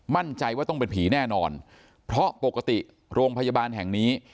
มั่นใจว่าต้องเป็นผีแน่นอนเพราะปกติโรงพยาบาลแห่งนี้